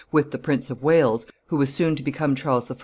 with the Prince of Wales, who was soon to become Charles I.